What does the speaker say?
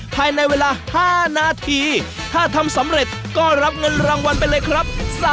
ภายในเวลา๕นาทีถ้าทำสำเร็จก็รับเงินรางวัลไปเลยครับ